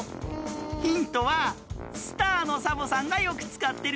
ヒントはスターのサボさんがよくつかってるよ。